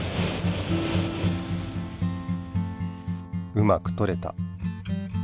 うまくとれた。